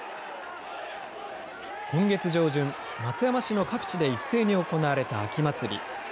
今月上旬、松山市の各地で一斉に行われた秋祭り。